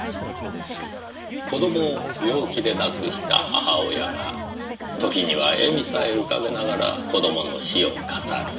子供を病気で亡くした母親が時には笑みさえ浮かべながら子供の死を語る。